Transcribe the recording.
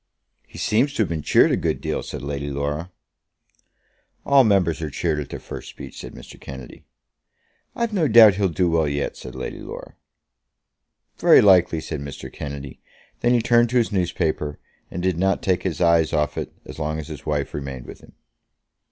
"He seems to have been cheered a good deal," said Lady Laura. "All members are cheered at their first speech," said Mr. Kennedy. "I've no doubt he'll do well yet," said Lady Laura. "Very likely," said Mr. Kennedy. Then he turned to his newspaper, and did not take his eyes off it as long as his wife remained with him.